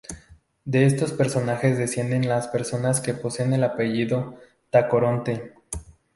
De estos personajes descienden las personas que poseen el apellido Tacoronte.